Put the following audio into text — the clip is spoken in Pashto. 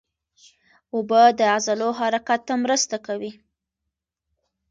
اوبه د عضلو حرکت ته مرسته کوي